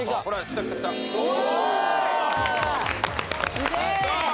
すげえー！